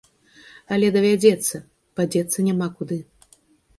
Але давядзецца, падзецца няма куды.